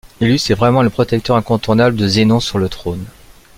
Illus est vraiment le protecteur incontournable de Zénon sur le trône.